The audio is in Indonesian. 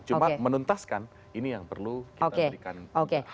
cuma menuntaskan ini yang perlu kita berikan